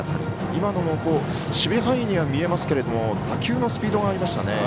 今のも守備範囲には見えますが打球のスピードがありましたね。